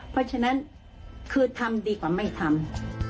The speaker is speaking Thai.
เพราะฉะนั้นคือทำดีกว่าไม่ทำ